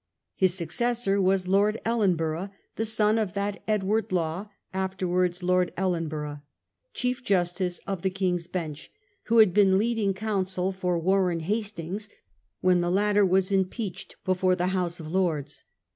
The successor was Lord Ellen borough, the son of that Edward Law, afterwards Lord Ellenborough, Chief Justice of the King's Bench, who had been leading counsel for Warren Hastings when the latter was impeached before the House of Lords.